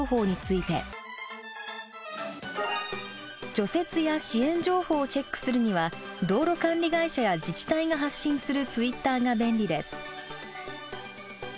除雪や支援情報をチェックするには道路管理会社や自治体が発信するツイッターが便利です。